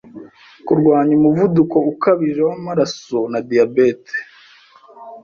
Kurwanya umuvuduko ukabije w’amaraso na diyabete